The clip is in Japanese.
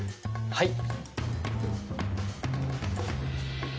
はい。